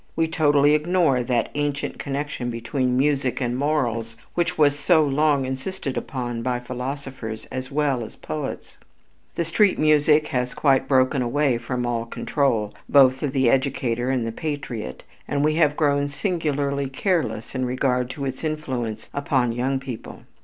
We totally ignore that ancient connection between music and morals which was so long insisted upon by philosophers as well as poets. The street music has quite broken away from all control, both of the educator and the patriot, and we have grown singularly careless in regard to its influence upon young people.